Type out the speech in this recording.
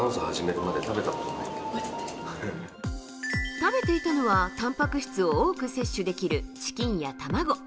食べてたいのはたんぱく質を多く摂取できるチキンや卵。